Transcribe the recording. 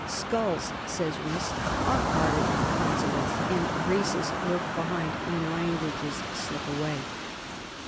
"Skulls," says Rhys, "are harder than consonants, and races lurk behind when languages slip away."